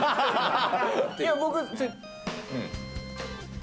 いや、僕。